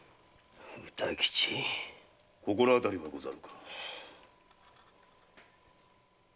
心当たりはござるか？